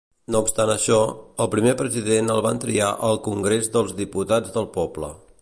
No obstant això, el primer president el van triar el Congrés dels Diputats del Poble.